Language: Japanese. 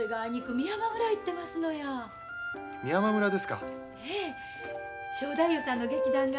美山村ですか？